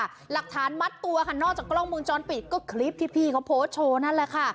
หลักฐานมัดตัวค่ะนอกจากกล้องมุมจรปิดก็คลิปที่พี่เขาโพสต์โชว์นั่นแหละค่ะ